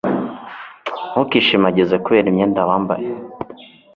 ntukishimagize kubera imyenda wambaye